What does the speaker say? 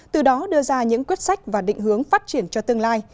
từ đó đưa ra những quyết sách và định hướng phát triển cho tương lai